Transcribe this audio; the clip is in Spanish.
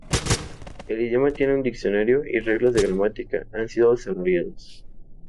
El idioma tiene un diccionario y reglas de gramática han sido desarrolladas.